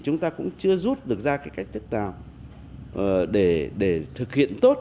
chúng ta cũng chưa rút được ra cái cách thức nào để thực hiện tốt